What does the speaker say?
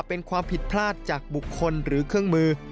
เป็นความผิดพลาดจากบุคคลหรือเครื่องมือ